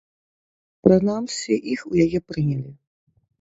Прынамсі, іх у яе прынялі.